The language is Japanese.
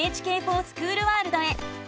「ＮＨＫｆｏｒＳｃｈｏｏｌワールド」へ。